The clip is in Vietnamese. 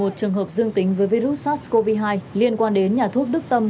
một mươi một trường hợp dương tính với virus sars cov hai liên quan đến nhà thuốc đức tâm